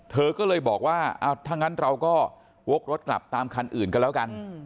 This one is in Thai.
เธอก็เลยบอกว่าถ้างั้นเราก็วกรถกลับตามคันอื่นก็แล้วกัน